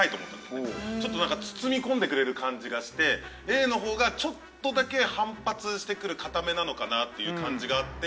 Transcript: ちょっと何か包み込んでくれる感じがしてＡのほうがちょっとだけ反発して来る硬めなのかなっていう感じがあって。